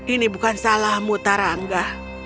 ini bukan salahmu tarangga